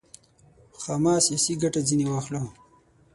خامه سیاسي ګټه ځنې واخلو.